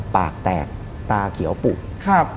ปากแตกตาเขียวปุป